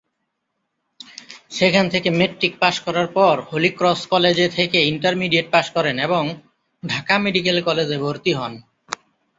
সেখান থেকে matric pass করার পর হলিক্রস কলেজে থেকে ইন্টারমিডিয়েট পাশ করেন এবং ঢাকা মেডিকেল কলেজে ভর্তি হন।